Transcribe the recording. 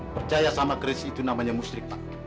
percaya sama keris itu namanya musrik pak